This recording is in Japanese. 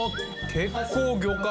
結構、魚介！